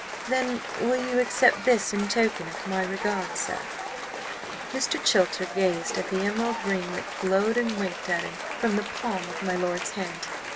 "Then will you accept this in token of my regard, sir?" Mr. Chilter gazed at the emerald ring that glowed and winked at him from the palm of my lord's hand.